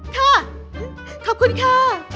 ขอขอบคุณค่ะ